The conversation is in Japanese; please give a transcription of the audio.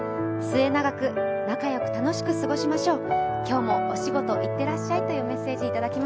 末永く仲良く楽しく過ごしましょう。